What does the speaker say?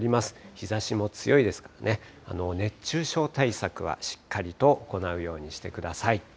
日ざしも強いですからね、熱中症対策はしっかりと行うようにしてください。